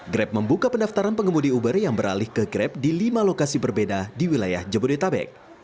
grab membuka pendaftaran pengemudi uber yang beralih ke grab di lima lokasi berbeda di wilayah jabodetabek